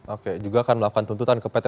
oke juga akan melakukan tuntutan ke pt